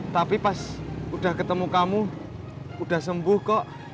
tapi pas udah ketemu kamu udah sembuh kok